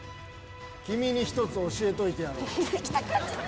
君に一つ教えといてやろう。来た来た！